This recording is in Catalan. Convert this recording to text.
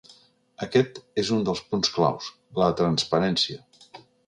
Aquest és un dels punts clau: la transparència.